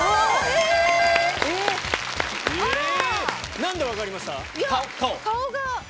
なんで分かりました？